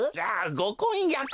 ごこんやくです。